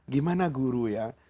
gimana guru ya